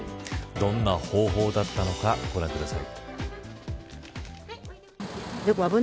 どんな方法だったのかご覧ください。